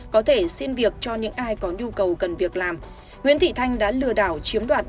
có thể xin việc cho những ai có nhu cầu cần việc làm nguyễn thị thanh đã lừa đảo chiếm đoạt